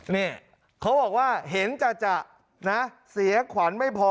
นี่เขาบอกว่าเห็นจ่ะนะเสียขวัญไม่พอ